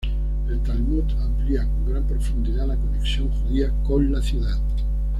El Talmud amplía con gran profundidad la conexión judía con la ciudad.